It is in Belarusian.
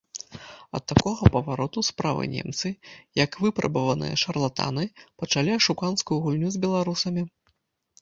Ад такога павароту справы немцы, як выпрабаваныя шарлатаны, пачалі ашуканскую гульню з беларусамі.